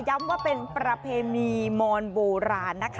ย้ำว่าเป็นประเพณีมอนโบราณนะคะ